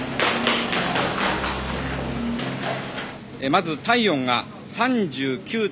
まず体温が３９．２度。